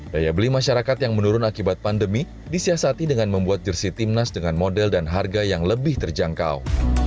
daya beli masyarakat yang menurun akibat pandemi disiasati dengan membuat jersi timnas dengan model dan harga yang lebih terjangkau